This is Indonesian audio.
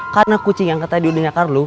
karena kucing yang katanya udah nyakar lu